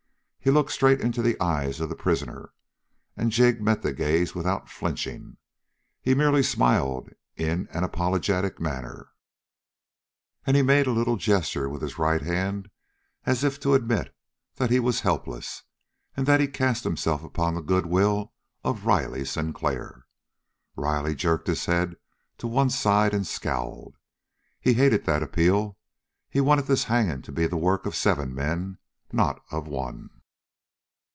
He looked straight into the eyes of the prisoner, and Jig met the gaze without flinching. He merely smiled in an apologetic manner, and he made a little gesture with his right hand, as if to admit that he was helpless, and that he cast himself upon the good will of Riley Sinclair. Riley jerked his head to one side and scowled. He hated that appeal. He wanted this hanging to be the work of seven men, not of one.